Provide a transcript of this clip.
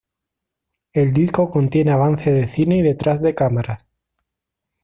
El disco contiene avance de cine y detrás de cámaras.